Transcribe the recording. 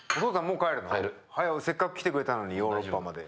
せっかく来てくれたのにヨーロッパまで。